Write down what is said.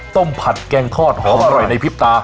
ต้มผัดแกงครอบอร่อยในพิษตา